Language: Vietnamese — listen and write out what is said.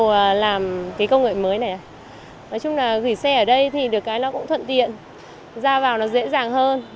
từ lúc mà bắt đầu làm cái công nghệ mới này nói chung là gửi xe ở đây thì được cái nó cũng thuận tiện ra vào nó dễ dàng hơn